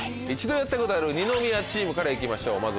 一度やったことある二宮チームから行きましょう。